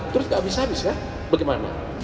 terus gak habis habis kan bagaimana